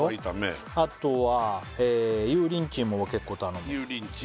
あとは油淋鶏も俺結構頼む油淋鶏